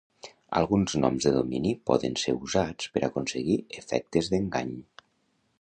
Alguns noms de domini poden ser usats per aconseguir efectes d'engany.